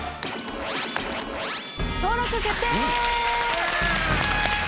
登録決定！